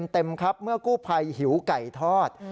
เต็มครับเมื่อกู้ภัยหิวไก่ทอด